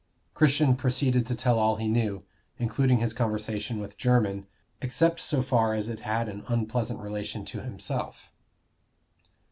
Christian proceeded to tell all he knew, including his conversation with Jermyn, except so far as it had an unpleasant relation to himself.